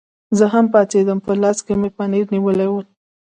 زه هم پاڅېدم، په لاس کې مې پنیر نیولي ول.